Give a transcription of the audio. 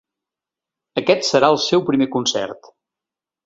Aquest serà el seu primer concert.